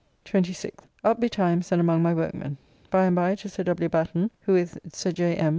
26th. Up betimes and among my workmen. By and by to Sir W. Batten, who with Sir J. M.